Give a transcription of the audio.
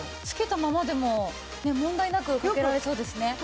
着けたままでも問題なくかけられそうですね。